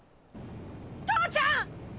父ちゃん！